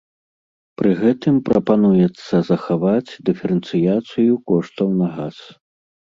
Пры гэтым прапануецца захаваць дыферэнцыяцыю коштаў на газ.